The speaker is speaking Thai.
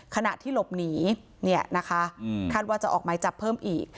ขณะที่หลบหนีเนี่ยนะคะคาดว่าจะออกหมายจับเพิ่มอีก